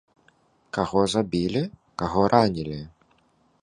Каго забілі, каго ранілі.